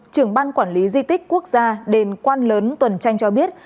trưởng ban quản lý di tích quốc gia đền quan lớn tuần tranh cho biết